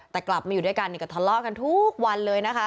แต่กลับมาอยู่ด้วยกันก็ทะเลาะกันทุกวันเลยนะคะ